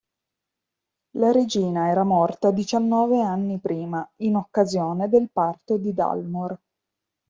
La regina era morta diciannove anni prima, in occasione del parto di Dalmor.